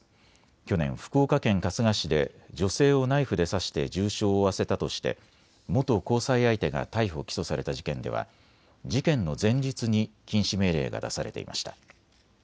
去年、福岡県春日市で女性をナイフで刺して重傷を負わせたとして元交際相手が逮捕・起訴された事件では事件の前日に禁止命令が出されていました。